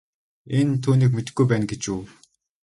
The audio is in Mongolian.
Энэ түүнийг мэдэхгүй байна гэж үү.